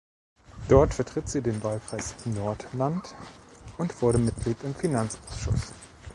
Dort vertritt sie den Wahlkreis Nordland und wurde Mitglied im Finanzausschuss.